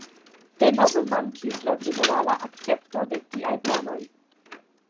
Denove mankis la ĝenerala akcepto de tiaj planoj.